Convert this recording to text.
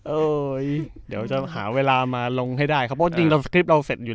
โอ้ยเดี๋ยวจะหาเวลามาลงให้ได้ครับเดี๋ยวจริงจริมเราเสร็จอยู่